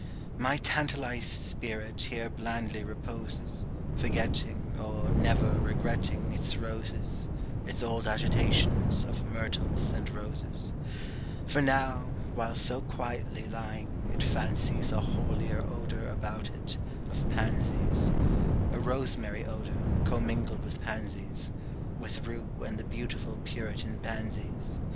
My tantalized spirit Here blandly reposes, Forgetting, or never Regretting, its roses, Its old agitations Of myrtles and roses: For now, while so quietly Lying, it fancies A holier odor About it, of pansies, A rosemary odor, Commingled with pansies, With rue and the beautiful Puritan pansies.